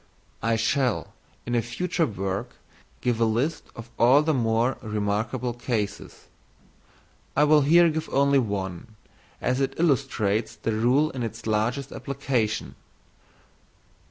I shall, in a future work, give a list of all the more remarkable cases. I will here give only one, as it illustrates the rule in its largest application.